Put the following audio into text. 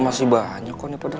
masih banyak kok ini padahal